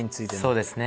そうですね。